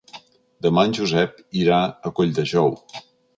Demà en Josep irà a Colldejou.